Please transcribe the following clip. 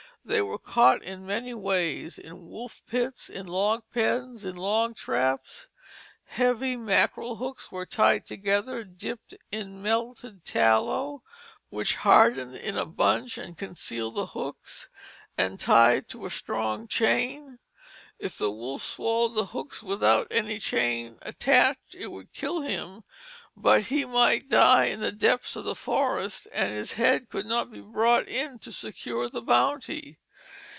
They were caught in many ways; in wolf pits, in log pens, in log traps. Heavy mackerel hooks were tied together, dipped in melted tallow which hardened in a bunch and concealed the hooks, and tied to a strong chain. If the wolf swallowed the hooks without any chain attached, it would kill him; but he might die in the depths of the forest and his head could not be brought in to secure the bounty.